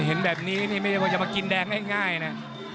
เห็นแบบนี้นี่ไม่ใช่ว่าจะมากินแดงง่ายนะ